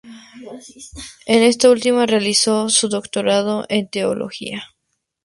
En esta última realizó su doctorado en teología.